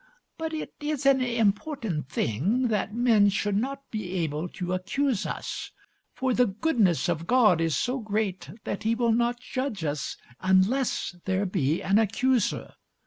But it is an important thing that men should not be able to accuse us, for the goodness of God is so great, that He will not judge us unless there be an accuser.